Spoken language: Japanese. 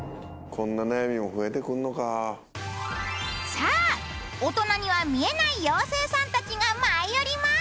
さあ大人には見えない妖精さんたちが舞い降ります。